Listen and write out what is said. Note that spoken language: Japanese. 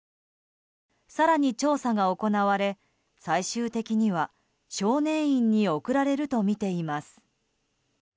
更に調査が行われ、最終的には少年院に送られるとみています。